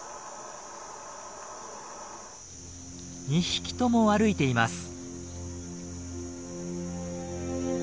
２匹とも歩いています。